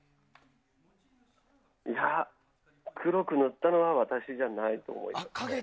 いや黒く塗ったのは私じゃないと思います。